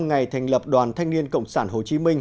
ngày thành lập đoàn thanh niên cộng sản hồ chí minh